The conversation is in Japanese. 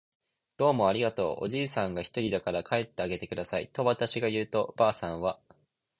「どうもありがとう。」おじいさんがひとりだから帰ってあげてください。」とわたしが言うと、ばあさんは